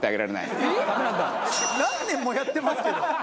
何年もやってますけど。